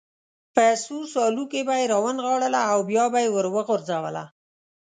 په سور سالو کې به یې را ونغاړله او بیا به یې وروغورځوله.